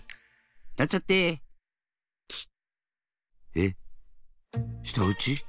えっしたうち？